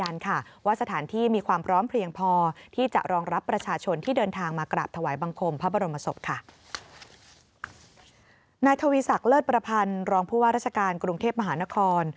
นายทวีศักดิ์เลิศประพันธ์รองผู้ว่าราชการกรุงเทพมหานคร